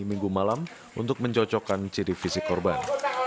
minggu malam untuk mencocokkan ciri fisik korban